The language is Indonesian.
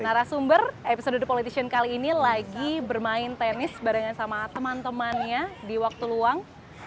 narasumber episode the politician kali ini lagi bermain tenis barengan sama teman temannya di waktu luang